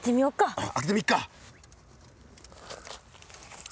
うん開けてみっか。